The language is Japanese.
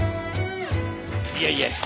いやいや。